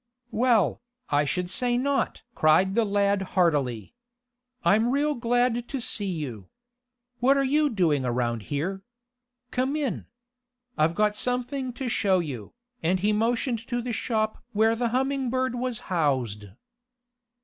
"Well, I should say not!" cried the lad heartily. "I'm real glad to see you. What are you doing around here? Come in. I've got something to show you," and he motioned to the shop where the Humming Bird was housed.